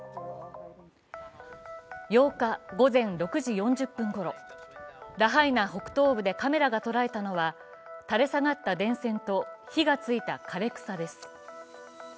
８日、午前６時４０分ごろ、ラハイナ北東部でカメラがとらえたのは垂れ下がった電線と火がついた枯れ草です。